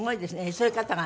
そういう方が？